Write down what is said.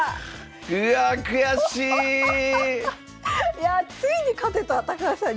いやあついに勝てた高橋さんに。